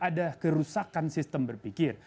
ada kerusakan sistem berpikir